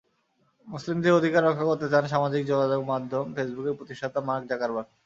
মুসলিমদের অধিকার রক্ষা করতে চান সামাজিক যোগাযোগের মাধ্যম ফেসবুকের প্রতিষ্ঠাতা মার্ক জাকারবার্গ।